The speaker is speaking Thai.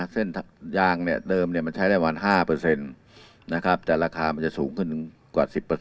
เส้นยางเนี่ยเติมเนี่ยมันใช้ได้วัน๕นะครับแต่ราคามันจะสูงขึ้นกว่า๑๐